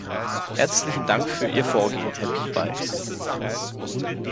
Herzlichen Dank für Ihr Vorgehen, Herr Piebalgs!